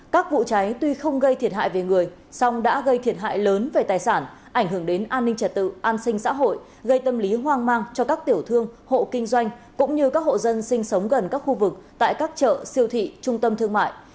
các vụ cháy tuy không gây thiệt hại về người song đã gây thiệt hại lớn về tài sản ảnh hưởng đến an ninh trật tự an sinh xã hội gây tâm lý hoang mang cho các tiểu thương hộ kinh doanh cũng như các hộ dân sinh sống gần các khu vực tại các chợ siêu thị trung tâm thương mại